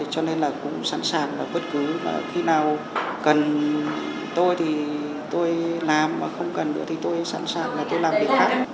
cho nên là cũng sẵn sàng vào bất cứ khi nào cần tôi thì tôi làm mà không cần nữa thì tôi sẵn sàng là tôi làm việc khác